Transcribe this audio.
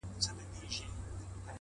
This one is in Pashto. چي چاره د دې قاتل وکړي پخپله!!